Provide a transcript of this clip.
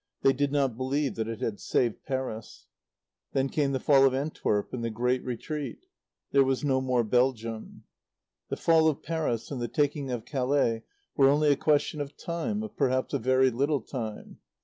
They did not believe that it had saved Paris. Then came the fall of Antwerp and the Great Retreat. There was no more Belgium. The fall of Paris and the taking of Calais were only a question of time, of perhaps a very little time.